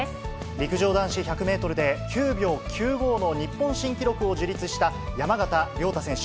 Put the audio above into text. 陸上男子１００メートルで、９秒９５の日本新記録を樹立した山縣亮太選手。